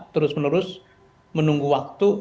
terus menerus menunggu waktu